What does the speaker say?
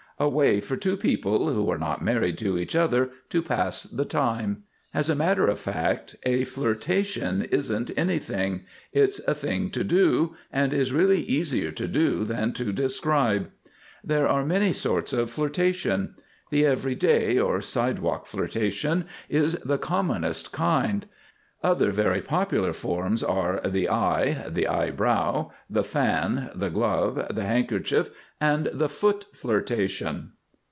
A way for two people, who are not married to each other, to pass the time. As a matter of fact a flirtation isn't anything, it's a thing to do and is really easier to do than to describe. There are many sorts of Flirtation. The Every day or Sidewalk Flirtation is the commonest kind. Other very popular forms are the Eye, the Eyebrow, the Fan, the Glove, the Handkerchief, and the Foot Flirtation.